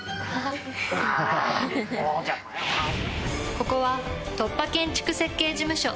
ここは突破建築設計事務所。